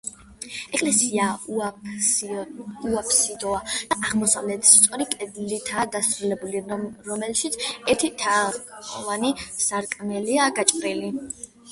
ეკლესია უაფსიდოა და აღმოსავლეთით სწორი კედლითაა დასრულებული, რომელშიც ერთი თაღოვანი სარკმელია გაჭრილი.